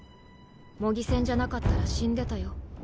模擬戦じゃなかったら死んでたよ。